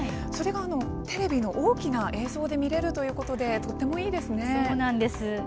今度からは大きな映像でも見れるということでとてもいいですね。